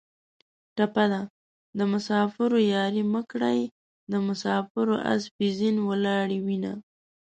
ټپه ده: د مسافرو یارۍ مه کړئ د مسافرو اسپې زین ولاړې وینه